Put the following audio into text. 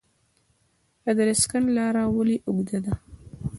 ادرسکن لاره ولې اوږده ده؟